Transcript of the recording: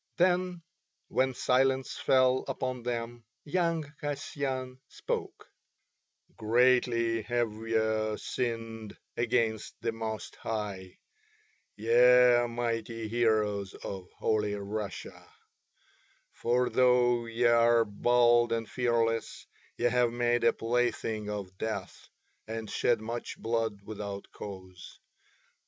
Then when silence fell upon them young Kasyan spoke: "Greatly have ye sinned against the Most High, ye mighty heroes of Holy Russia; for though ye are bold and fearless, ye have made a plaything of death and shed much blood without cause.